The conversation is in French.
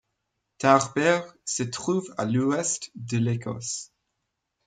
Tarbert se trouve à l'ouest de l'Écosse.